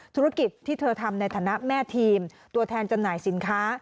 ธุรกิจที่เธอทำในฐานะแม่ทีมตัวแทนจำหน่ายสินค้า